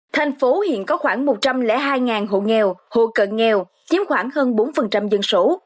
thành phố hiện có khoảng một trăm linh hai hộ nghèo hộ cận nghèo chiếm khoảng hơn bốn dân số